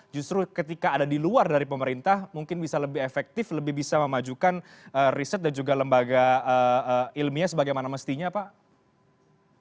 justru ketika ada di luar dari pemerintah mungkin bisa lebih efektif lebih bisa memajukan riset dan juga lembaga ilmiah sebagaimana mestinya pak